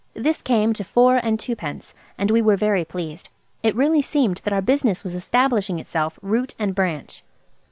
This came to four and twopence, and we were very pleased. It really seemed that our business was establishing itself root and branch.